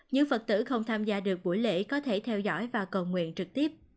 những phật tử không tham gia được buổi lễ có thể theo dõi và cầu nguyện trực tiếp